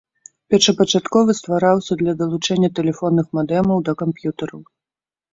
Першапачатковы ствараўся для далучэння тэлефонных мадэмаў да камп'ютараў.